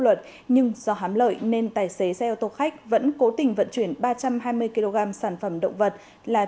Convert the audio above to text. luật nhưng do hám lợi nên tài xế xe ô tô khách vẫn cố tình vận chuyển ba trăm hai mươi kg sản phẩm động vật là